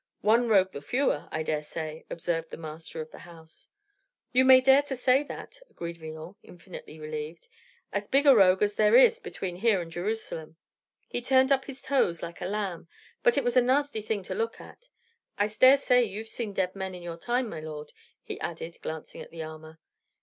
"One rogue the fewer, I dare say," observed the master of the house. "You may dare to say that," agreed Villon, infinitely relieved. "As big a rogue as there is between here and Jerusalem. He turned up his toes like a lamb. But it was a nasty thing to look at. I dare say you've seen dead men in your time, my lord?" he added, glancing at the armor.